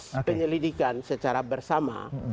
proses penyelidikan secara bersama